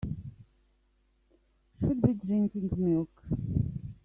Should be drinking milk.